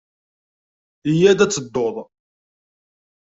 Yya-d ad tedduḍ.